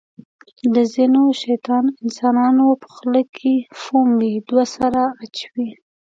د ځینو شیطان انسانانو په خوله کې فوم وي. دوه سره اچوي.